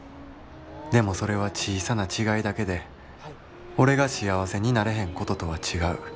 でもそれは小さな違いだけで俺が幸せになれへんこととは違う」。